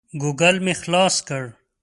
ګوګل مې خلاص کړ.